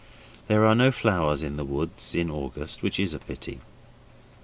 There are no flowers in the woods in August, which is a pity.